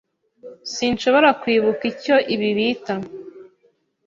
Sinshobora kwibuka icyo ibi bita.